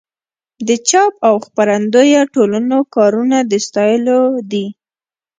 د چاپ او خپرندویه ټولنو کارونه د ستایلو دي.